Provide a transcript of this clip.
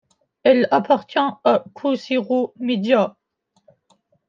Elle appartient à Cogeco Média.